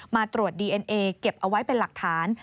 มาตรวจดีเอ็นเอเก็บเอาไว้เป็นหลักฐาน